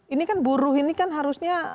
ini kan buruh ini kan harusnya